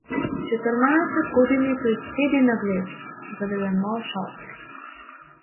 Четрнаесет години тој седи на влезот, зад еден мал шалтер.